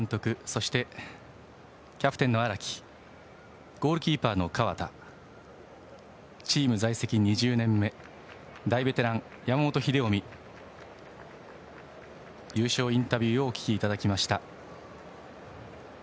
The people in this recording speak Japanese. そして、キャプテンの荒木ゴールキーパーの河田チーム在籍２０年目大ベテラン、山本英臣の優勝インタビューをお聞きいただきました。